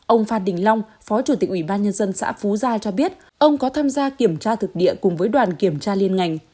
ông phan đình long phó chủ tịch ủy ban nhân dân xã phú gia cho biết ông có tham gia kiểm tra thực địa cùng với đoàn kiểm tra liên ngành